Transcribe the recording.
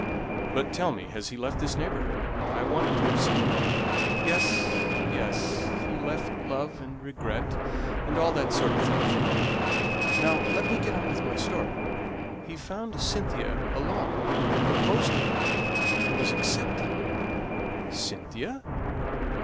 "But tell me; has he left this neighbourhood? I wanted to have seen him." "Yes, yes. He left love and regret, and all that sort of thing for you. Now let me get on with my story: he found Cynthia alone, proposed to her, and was accepted." "Cynthia?